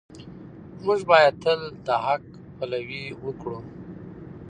موږ باید تل د حق پلوي وکړو.